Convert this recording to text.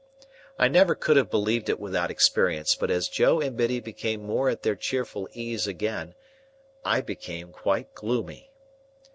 I never could have believed it without experience, but as Joe and Biddy became more at their cheerful ease again, I became quite gloomy.